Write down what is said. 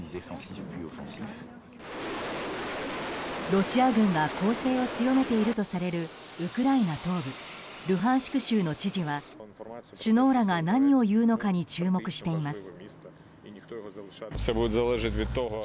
ロシア軍が攻勢を強めているとされるウクライナ東部ルハンシク州の知事は首脳らが何を言うのかに注目しています。